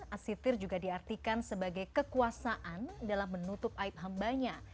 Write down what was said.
asitir juga diartikan sebagai kekuasaan dalam menutup aib hambanya